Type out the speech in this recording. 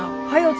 はい。